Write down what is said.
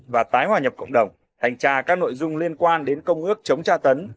và tái hòa nhập cộng đồng thanh tra các nội dung liên quan đến công ước chống tra tấn